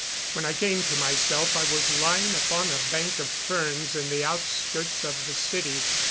When I came to myself I was lying upon a bank of ferns in the outskirts of the city.